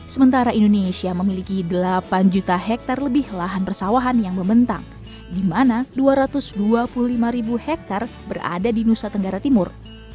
sementara indonesia memiliki delapan juta hektare lebih lahan persawahan yang membentang di mana dua ratus dua puluh lima ribu hektare berada di nusa tenggara timur